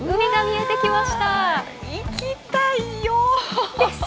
行きたいよ！